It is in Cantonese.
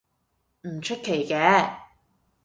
唔出奇嘅